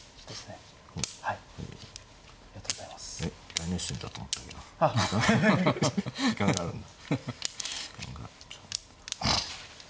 大熱戦だと思ったけど時間があるんだ。